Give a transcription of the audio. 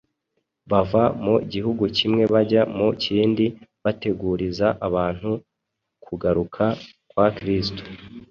bava mu gihugu kimwe bajya mu kindi, bateguriza abantu kugaruka kwa Kristo.